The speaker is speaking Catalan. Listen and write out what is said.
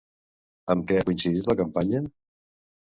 Amb què ha coincidit la campanya?